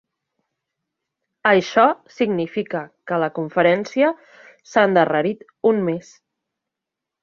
Això significa que la conferència s'ha endarrerit un mes.